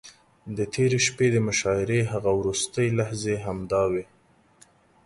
د تېرې شپې د مشاعرې هغه وروستۍ لحظې همداوې.